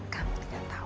kamu tidak tahu